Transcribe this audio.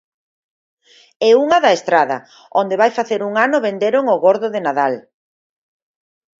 E unha da Estrada, onde vai facer un ano venderon o Gordo de Nadal.